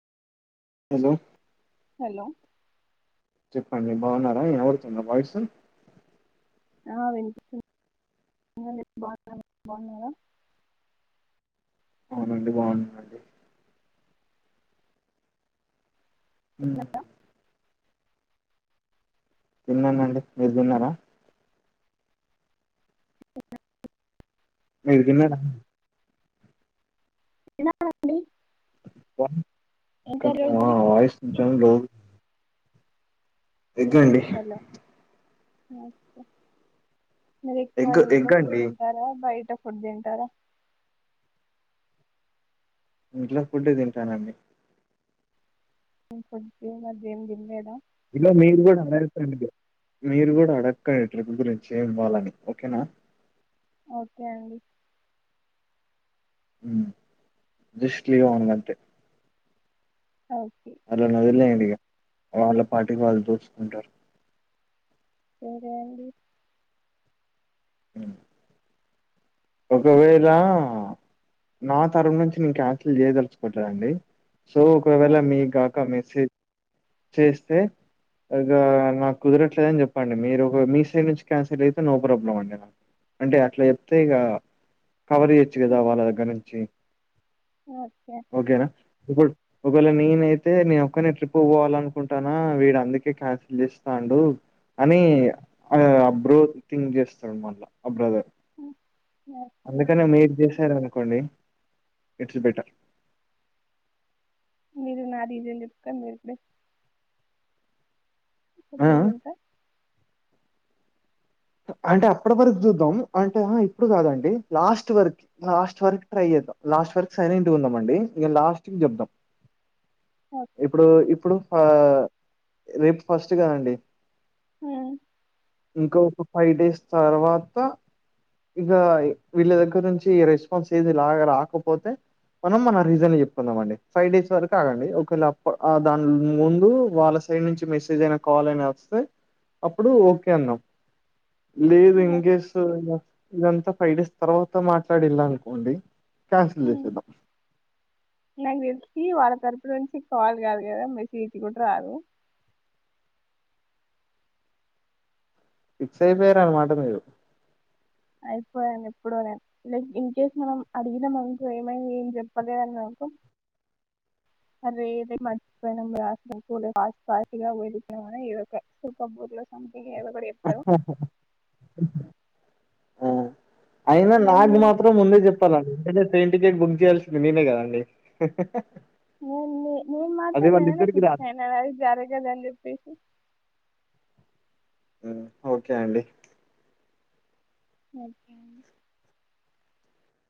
Hello hello చెప్పండి బాగున్నారా వినబడుతుందా వాయిస్ ఆ వినిపిస్తుంది బాగున్నా బాగున్నారా అవునండి బాగుంటందండి ఉమ్ తిన్నారా? తిన్నానండి మీరు తిన్నారా మీరు తిన్నారా తిన్నామండి వా- కొంచెం మరి వాయిస్ కొంచెం లోగా ఎగ్ అండి అహ్హ మీరు ఎక్కువ ఎగ్ ఇంట్లో ఎగ్ ఫుడ్ అండి తింటారా బయట పుడ్ దింటారా ఇంట్లో ఫుడ్డే తింటానండి ఇం కొంచమ ఏం దినలేదా ఇలా మీరు కూడా అనర్కండి మీరు కూడా అడగండి ట్రిప్ గురించి ఏమి ఇవ్వాలని ఓకేనా ఓకే అండి మ్మ్ జస్లీ అన్నట్టే ఓకే అల్లనోదిలేయ్ డి వాళ్ళ పాటికి వాళ్ళు దోచుకుంటారు ఎవరివండి మ్మ్ ఒకవేళ నా తరఫు నుంచి నేను క్యాన్సిల్ చేయదలుచుకుంటానండి సో ఆ, ఒకవేళ మీ గాక మీ చె చేస్తే ఇక నాకు కుదరట్లేదని చెప్పండి, మీరు ఒక మీ సైడ్ నుంచి క్యాన్సిల్ అయితే నో ప్రాబ్లం అండి నాకు అంటే అట్లా చెప్తే ఇగ, కవర్ ఇయొచ్చు ఆ, కదా వాళ్ళ దగ్గర నుంచి ఓకే ఇప్పుడ్ ఒకవేళ నేనయితే నేను ఒక్కనే ట్రిప్ పోవా వాలనుకుంటనా వీడు అందుకే క్యాన్సిల్ చేస్తాండు అని ఆ అ బ్రో థింక్ చేస్తాడు మళ్ళీ ఆ బ్రదర్, అ అందుకనే మీర్ చేస్ నారు అనుకోండి ఇట్స్ బెట మీరు నా రీజన్ చెప్తారు మీరు ఇప్పుడు ఆ ఎప్పుడిగుంట అంటే అప్పటి వరకు చూద్దాం అంటే ఇప్పుడు కాదండి లాస్ట్ వరకు లాస్ట్ వరకు ట్రై చేద్దాం, లాస్ట్ వరకు సైలెంట్ గా ఉందాం అండి ఇంగ లాస్ట్ కి చెప్దాం. ఇప్పుడు ఇప్పుడు ఆ రేపు ఫస్ట్గాదండి హ ఇంకో ఫైవ్ డేస్ తర్వాత ఇక వీళ్ళ దగ్గర నుంచి రెస్పాన్స్ ఏది లాగా రాకపోతే మనం మన రీజన్ చెప్పుకుందాం అండి, ఫైవ్ డేస్ వరకు ఆగండి ఒక వేళ అ దాని ముందు వాళ్ళ సైడ్ నుంచి మెసేజ్ అయినా, కాల్ అయినా వస్తే అప్పుడు ఓకే అందాం. లేదు ఇం గేసు మొ ఇదంతా ఫైవ్ డేస్ తర్వాత మాట్లాడిళ్లా అనుకోండి క్యాన్సల్ చేపిద్దాం ఇ వాళ్ళ తరపు నుంచి కాల్ కాదు కదా మెస్సేజ్ కూడా రాదు ఫిక్సయి పేయినరమాట మీరు అయిపోయాను ఎప్పుడో నే లైక్ ఇన్ కేస్ మనం అడిగినాం గ ఏమైంది ఏం చెప్పలేదని అంటే అరేే నేం మర్చిపోయినాం రా అనుకోలే ఫాస్ట్ ఫాస్ట్ గా వెళ్లిపోయినా మ్ ఎదొక సెటప్ బుర్లో సమ్, ఆ! అయినా నేను నాకు మాత్రం ముందే చెప్పాలండి. అంటే ట్రేన్ టికెట్ బుక్ జేయాల్సింది నేనే గదా అండి. నేన్ మే మేమ్ మాత్రం నిన్ననే ఫిక్స్ రాదు అయినమ్ అది జరగదని జెప్పేసి. ఉమ్ ఓకే అండి. ఓకే అండి.